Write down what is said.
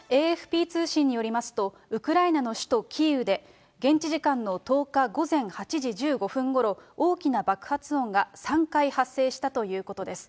ＡＦＰ通信によりますと、ウクライナの首都キーウで、現地時間の１０日午前８時１５分ごろ、大きな爆発音が３回発生したということです。